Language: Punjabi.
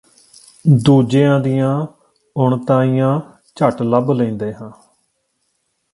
ਦੂਜਿਆਂ ਦੀਆਂ ਉਣਤਾਂਈਆਂ ਝੱਟ ਲੱਭ ਲੈਂਦੇ ਹਾਂ